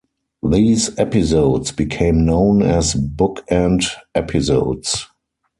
These episodes became known as bookend episodes.